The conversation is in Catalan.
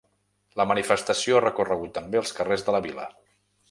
La manifestació ha recorregut també els carrers de la vila.